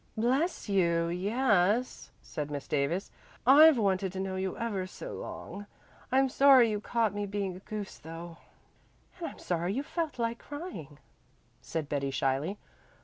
"Bless you, yes," said Miss Davis. "I've wanted to know you for ever so long. I'm sorry you caught me being a goose, though." "And I'm sorry you felt like crying," said Betty shyly.